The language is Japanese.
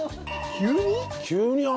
急に？